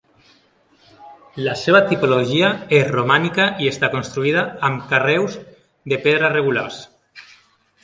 La seva tipologia és romànica i està construïda amb carreus de pedra regulars.